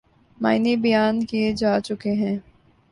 معنی بیان کئے جا چکے ہیں۔